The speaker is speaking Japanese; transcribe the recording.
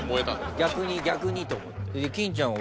「逆に逆に」と思って。